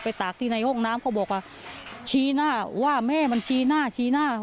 ตากที่ในห้องน้ำเขาบอกว่าชี้หน้าว่าแม่มันชี้หน้าชี้หน้า